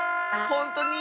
ほんとに。